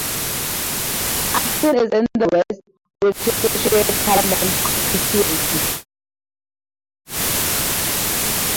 Upton is in the West Worcestershire parliamentary constituency.